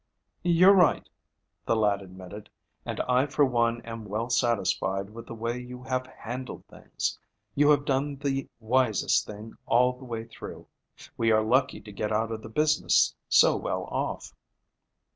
"You're right," the lad admitted, "and I for one am well satisfied with the way you have handled things. You have done the wisest thing all the way through. We are lucky to get out of the business so well off."